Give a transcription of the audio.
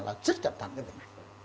vâng xin cảm ơn phó giáo sư cảnh